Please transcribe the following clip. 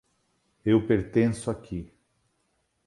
Eu pertenço aqui.